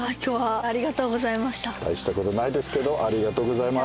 大した事ないですけどありがとうございます。